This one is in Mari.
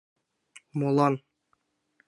— Молан?!